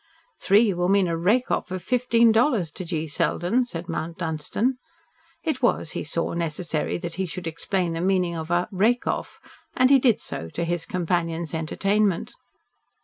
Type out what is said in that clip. "Three will mean a 'rake off' of fifteen dollars to G. Selden," said Mount Dunstan. It was, he saw, necessary that he should explain the meaning of a "rake off," and he did so to his companion's entertainment.